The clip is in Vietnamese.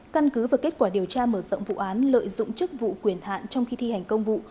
căn cứ và kết quả điều tra mở rộng vụ án lợi dụng chức vụ quyền hạn trong khi thi hành công vụ